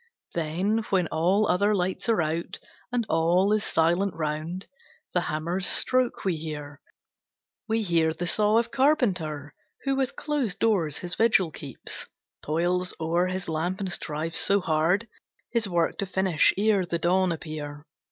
Then, when all other lights are out, And all is silent round, The hammer's stroke we hear, We hear the saw of carpenter, Who with closed doors his vigil keeps, Toils o'er his lamp and strives so hard, His work to finish ere the dawn appear.